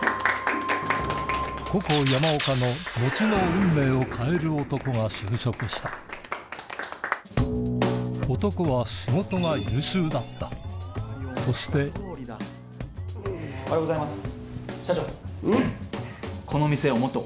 ココ山岡の後のが就職した男は仕事が優秀だったそしておはようございます。